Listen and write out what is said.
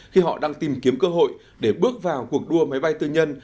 khi họ đang tìm kiếm cơ hội để bước vào cuộc đua máy bay tư nhân